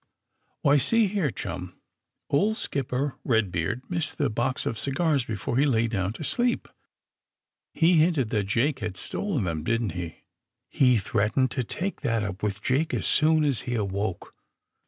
"Why, see here, chum. Old Skipper Ked beard missed the box of cigars before he lay down to sleep. He hinted that Jake had stolen them, didn't he! He threatened to take that up with Jake as soon as he awoke.